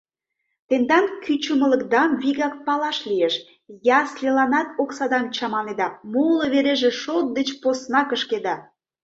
Тендан кӱчымылыкдам вигак палаш лиеш: ясльыланат оксадам чаманеда, моло вереже шот деч посна кышкеда.